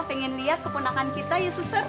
pengen lihat keponakan kita ya sester